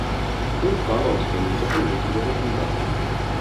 Тој стана од столицата и отиде во кујната.